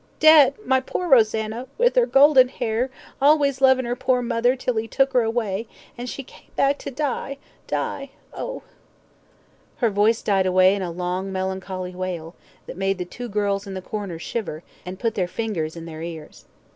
dead! my poor Rosanna, with 'er golden 'air, always lovin' 'er pore mother till 'e took 'er away, an' she came back to die die ooh!" Her voice died away in a long melancholy wail, that made the two girls in the corner shiver, and put their fingers in their ears.